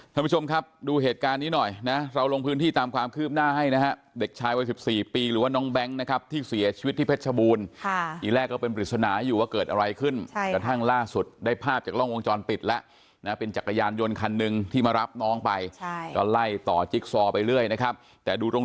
ท่านผู้ชมครับดูเหตุการณ์นี้หน่อยนะเราลงพื้นที่ตามความคืบหน้าให้นะฮะเด็กชายวัยสิบสี่ปีหรือว่าน้องแบงค์นะครับที่เสียชีวิตที่เพชรชบูรณ์ค่ะอีกแรกก็เป็นปริศนาอยู่ว่าเกิดอะไรขึ้นใช่กระทั่งล่าสุดได้ภาพจากกล้องวงจรปิดแล้วนะเป็นจักรยานยนต์คันหนึ่งที่มารับน้องไปใช่ก็ไล่ต่อจิ๊กซอไปเรื่อยนะครับแต่ดูตรง